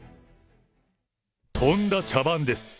とんだ茶番です。